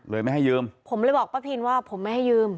ไม่ให้ยืมผมเลยบอกป้าพินว่าผมไม่ให้ยืม